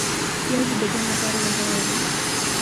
پیاز د بدن لپاره ګټور دی